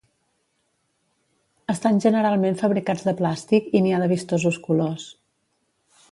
Estan generalment fabricats de plàstic i n'hi ha de vistosos colors.